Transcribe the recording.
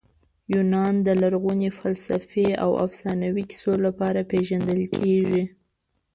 یونان د لرغوني فلسفې او افسانوي کیسو لپاره پېژندل کیږي.